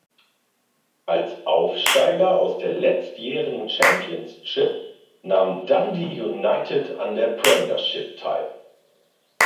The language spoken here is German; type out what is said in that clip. Als Aufsteiger aus der letztjährigen Championship nahm Dundee United an der Premiership teil.